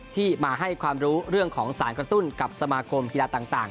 ที่มาให้ความรู้เรื่องของสารกระตุ้นกับสมาคมกีฬาต่าง